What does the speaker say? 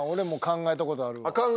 考えたことある？